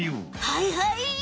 はいはい！